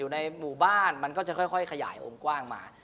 ในหมู่บ้านมันก็จะค่อยขยายองค์กว้างมา